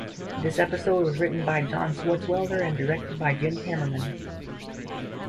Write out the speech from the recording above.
The episode was written by John Swartzwelder and directed by Jen Kamerman.